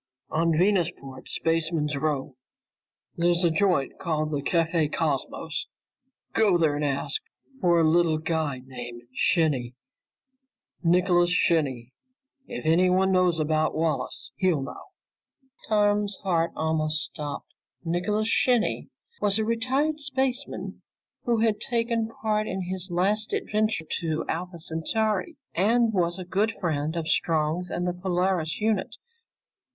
"On Venusport's Spaceman's Row. There's a joint called the Café Cosmos. Go there and ask for a little guy named Shinny. Nicholas Shinny. If anyone knows about Wallace, he'll know." Tom's heart almost stopped. Nicholas Shinny was a retired spaceman who had taken part in his last adventure to Alpha Centauri, and was a good friend of Strong's and the Polaris unit.